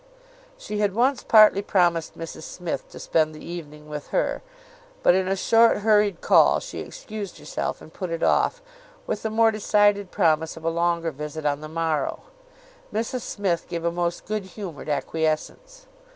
She had once partly promised Mrs Smith to spend the evening with her; but in a short hurried call she excused herself and put it off, with the more decided promise of a longer visit on the morrow. Mrs Smith gave a most good humoured acquiescence.